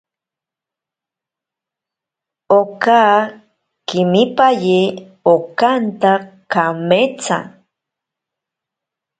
Oka kemipaye okanta kametsa.